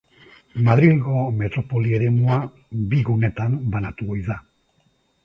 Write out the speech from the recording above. Madrilgo metropoli eremua bi gunetan banatu ohi da.